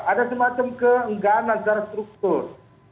ada semacam keenggahan antara struktur